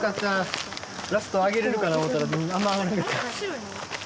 ラスト上げれるかなと思ったら、あんま上がらなかった。